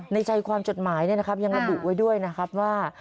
ในใจความจดหมายเนี่ยนะครับยังระบุไว้ด้วยนะครับว่า